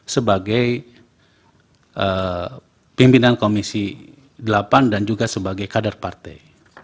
sebagai pimpinan komisi delapan dan juga sebagai kader partai